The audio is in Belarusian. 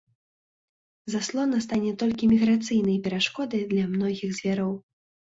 Заслона стане толькі міграцыйнай перашкодай для многіх звяроў.